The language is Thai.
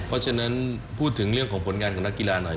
เพราะฉะนั้นพูดถึงเรื่องของผลงานของนักกีฬาหน่อย